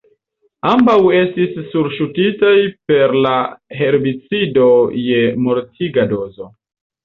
Ambaŭ estis surŝutitaj per la herbicido je mortiga dozo.